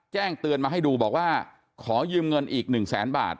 แจ้งเตือนมาให้ดูบอกว่าขอยืมเงินอีกหนึ่งแสนบาท